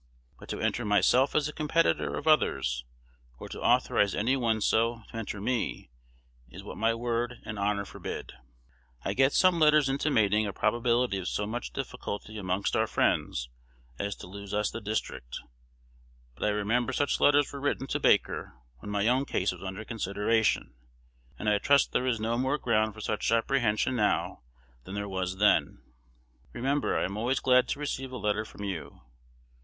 But to enter myself as a competitor of others, or to authorize any one so to enter me, is what my word and honor forbid. I get some letters intimating a probability of so much difficulty amongst our friends as to lose us the district; but I remember such letters were written to Baker when my own case was under consideration, and I trust there is no more ground for such apprehension now than there was then. Remember I am always glad to receive a letter from you.